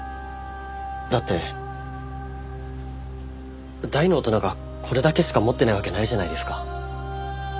だって大の大人がこれだけしか持ってないわけないじゃないですか。